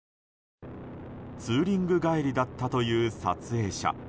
ツーリング帰りだったという撮影者。